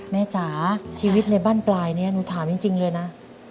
จ๋าชีวิตในบ้านปลายนี้หนูถามจริงเลยนะ